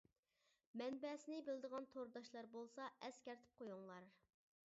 مەنبەسىنى بىلىدىغان تورداشلار بولسا ئەسكەرتىپ قۇيۇڭلار.